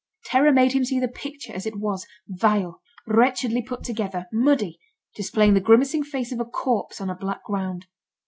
Terror made him see the picture as it was, vile, wretchedly put together, muddy, displaying the grimacing face of a corpse on a black ground.